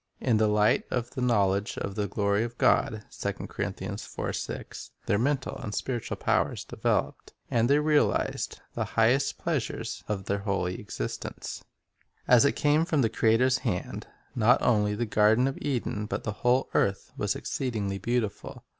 In "the light of the knowledge of the glory of God," 1 their mental and spiritual powers developed, and they realized the highest pleasures of their holy existence. As it came from the .Creator's hand, not only the garden of Eden but the whole earth was exceedingly beautiful.